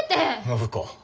暢子